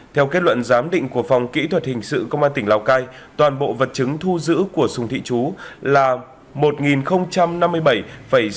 theo kết luận giám định của phòng kỹ thuật hình sự công an tỉnh lào cai toàn bộ vật chứng thu giữ của sùng thị chú là một năm mươi bảy sáu mươi bốn gram là loạt chất ma túy heroin